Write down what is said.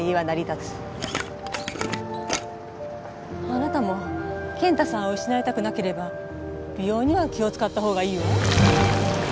あなたも健太さんを失いたくなければ美容には気を使った方がいいわ。